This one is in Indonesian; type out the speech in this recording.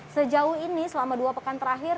sejauh ini selama dua pekan terakhir